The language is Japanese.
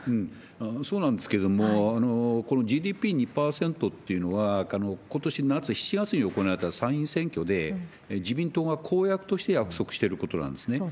そうなんですけれども、このＧＤＰ２％というのは、ことし夏７月に行われた参議院選挙で、自民党が公約として約束しそうですね。